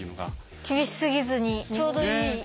厳しすぎずにちょうどいい。